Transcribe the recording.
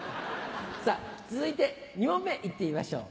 さぁ続いて２問目いってみましょう。